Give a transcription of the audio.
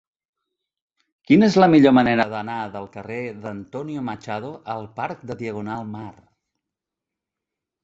Quina és la millor manera d'anar del carrer d'Antonio Machado al parc de Diagonal Mar?